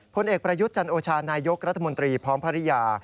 ผลเอกประยุทธ์จันโอชานายกรัฐมนตรีพร้อมภรรยา